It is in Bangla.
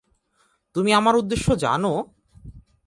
তুমি আমার উদ্দেশ্য জানো!